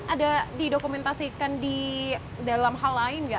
ada di dokumentasikan dalam hal lain nggak